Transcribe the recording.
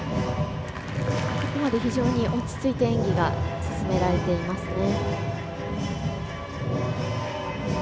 非常に落ち着いて演技が進められていますね。